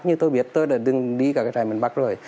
như tôi biết tôi đã đừng đi cả cái trại miền bắc rồi